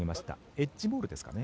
エッジボールですかね。